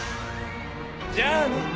じゃあね。